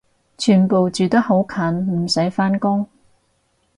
全部住得好近唔使返工？